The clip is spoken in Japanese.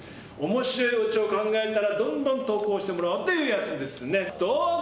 面白いオチを考えたらどんどん投稿してもらおうというやつですね。